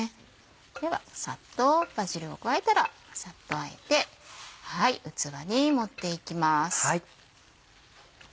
ではサッとバジルを加えたらサッとあえて器に盛っていきます。